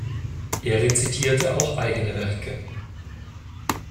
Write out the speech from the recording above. Er rezitierte auch eigene Werke.